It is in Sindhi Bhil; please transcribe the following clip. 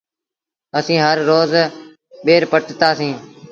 اسيٚݩ هر روز ٻير پٽتآ سيٚݩ۔